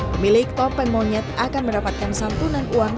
pemilik topeng monyet akan mendapatkan santunan uang